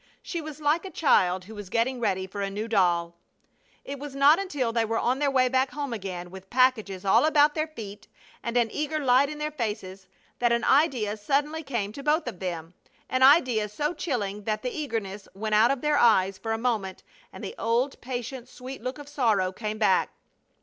She was like a child who was getting ready for a new doll. It was not until they were on their way back home again, with packages all about their feet, and an eager light in their faces, that an idea suddenly came to both of them an idea so chilling that the eagerness went out of their eyes for a moment, and the old, patient, sweet look of sorrow came back.